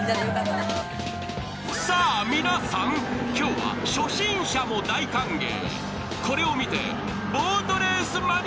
さあ皆さん、今日は初心者も大歓迎。